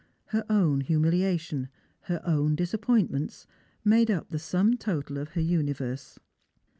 Her own humiliation, hex own disapiDointments, made up the sum total of her universe.